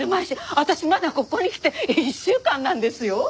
私まだここに来て１週間なんですよ？